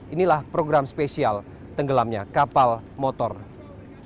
inilah program spesial tenggelamnya kapal motor sinar bangun